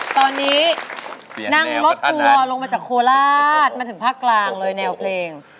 ตอนนี้นั่งรถทัวร์ลงมาจากโคราชมาถึงภาคกลางเลยแนวเพลง